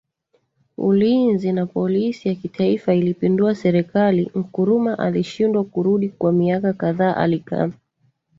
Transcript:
ulinzi na polisi ya kitaifa ilipindua serikaliNkrumah alishindwa kurudi Kwa miaka kadhaa alikaa